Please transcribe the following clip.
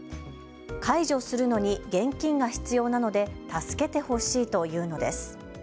解除するのに現金が必要なので助けてほしいと言うのです。